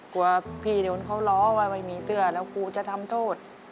กลัวพี่โดนเขาล้อว่าไม่มีเสื้อแล้วครูจะทำโทษ